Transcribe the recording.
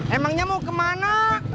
emangnya mau kemana